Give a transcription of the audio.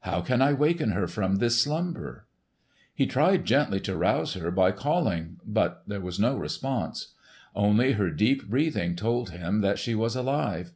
How can I waken her from this slumber?" He tried gently to rouse her by calling, but there was no response. Only her deep breathing told him that she was alive.